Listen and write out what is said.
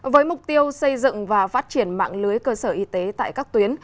với mục tiêu xây dựng và phát triển mạng lưới cơ sở y tế tại các tuyến